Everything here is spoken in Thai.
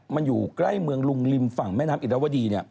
มันอยู่ใกล้เมืองลุงริมฝั่งแม่น้ำอิรวดี